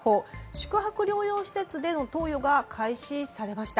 宿泊療養施設での投与が開始されました。